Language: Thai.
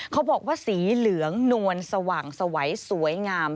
เขาบอกว่าสีเหลืองนวลสว่างสวัยสวยงาม